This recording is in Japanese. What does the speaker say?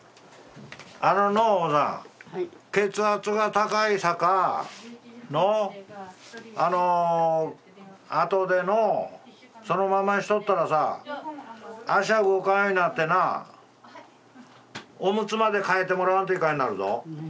あののう血圧が高いさかのうあとでのうそのまましとったらさ足動かんようになってなおむつまで替えてもらわんといかんようになるぞ。